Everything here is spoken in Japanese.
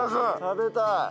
食べたい。